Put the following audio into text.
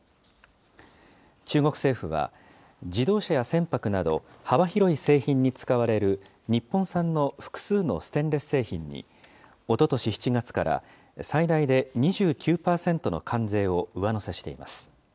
中国政府は、自動車や船舶など、幅広い製品に使われる日本産の複数のステンレス製品に、おととし７月から最大で２９％の関税を上乗せしています。